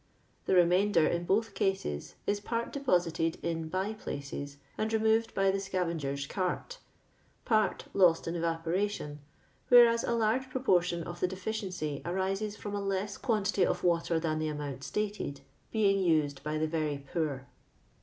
The remainder in both cases is part deposited in by places and removed by the scavenger's cart, part lost in evaporation, whereas a large proportion of the deficiency arises from a less quantity of water than the amount stated being used by the very poor.